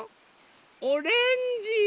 オレンジ。